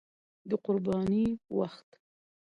د قربانۍ وخت